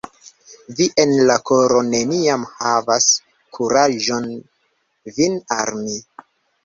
Vi en la koro neniam havas kuraĝon vin armi.